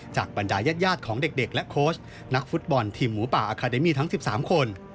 บรรดายาดของเด็กและโค้ชนักฟุตบอลทีมหมูป่าอาคาเดมี่ทั้ง๑๓คน